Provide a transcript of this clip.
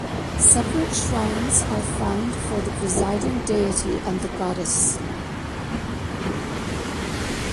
Separate shrines are found for the presiding deity and the goddess.